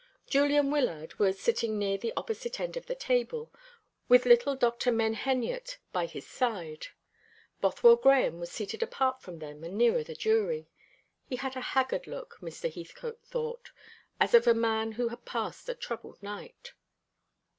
Julian Wyllard was sitting near the opposite end of the table, with little Dr. Menheniot by his side. Bothwell Grahame was seated apart from them and nearer the jury. He had a haggard look, Mr. Heathcote thought, as of a man who had passed a troubled night.